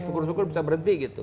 syukur syukur bisa berhenti gitu